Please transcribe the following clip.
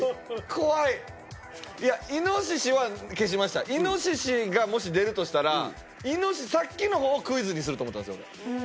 怖いいやイノシシは消しましたイノシシがもし出るとしたらすると思ったんですよ